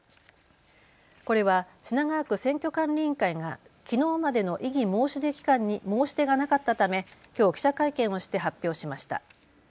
これは品川区選挙管理委員会がきのうまでの異議申し出期間に申し出がなかったためきょう記者会見をして発表しました。